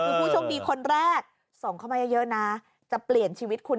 คือผู้โชคดีคนแรกส่งเข้ามาเยอะนะจะเปลี่ยนชีวิตคุณ